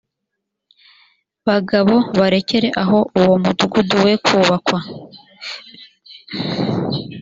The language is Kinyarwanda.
bagabo barekere aho uwo mudugudu we kubakwa